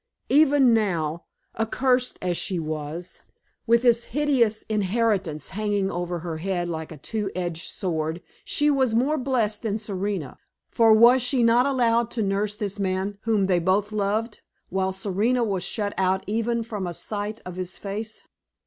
Even now, accursed as she was, with this hideous inheritance hanging over her head like a two edged sword, she was more blessed than Serena, for was she not allowed to nurse this man whom they both loved, while Serena was shut out even from a sight of his face?